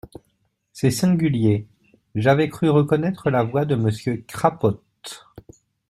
C’est singulier !… j’avais cru reconnaître la voix de Monsieur Crapote.